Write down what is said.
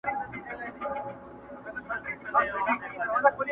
د میوند شهیده مځکه د پردي پلټن مورچل دی،